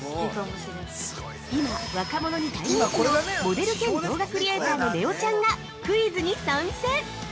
今、若者に大人気のモデル兼動画クリエイターのねおちゃんがクイズに参戦！